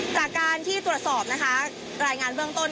จากการที่ตรวจสอบนะคะรายงานเบื้องต้น